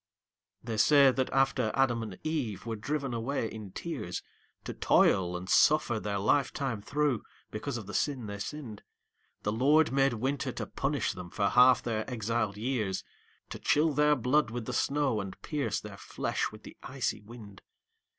They say that after Adam and Eve were driven away in tears To toil and suffer their life time through, because of the sin they sinned, The Lord made Winter to punish them for half their exiled years, To chill their blood with the snow, and pierce their flesh with the icy wind.